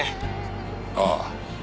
ああ。